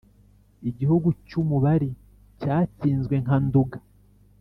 igihugu cy'u mubari cyatsinzwe nka nduga,